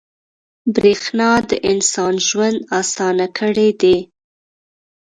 • برېښنا د انسان ژوند اسانه کړی دی.